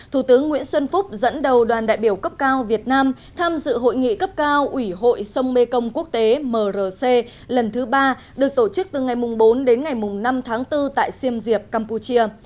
hội nghị cấp cao ủy hội sông mê công quốc tế mrc lần thứ ba được tổ chức từ ngày bốn đến ngày năm tháng bốn tại xiêm diệp campuchia